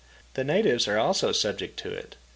The natives are also subject to it.